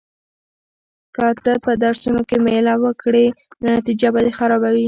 که ته په درسونو کې مېله وکړې نو نتیجه به دې خرابه وي.